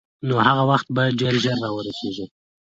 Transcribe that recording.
نو هغه وخت به ډېر ژر را ورسېږي.